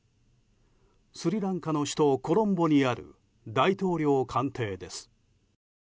スリランカの首都コロンボにある大統領官邸です。